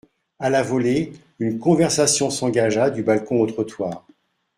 A la volée, une conversation s'engagea, du balcon au trottoir.